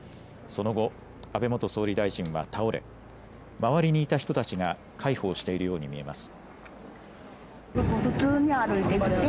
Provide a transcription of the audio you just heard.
その後、安倍元総理大臣は倒れ周りにいた人たちが介抱しているように見えます。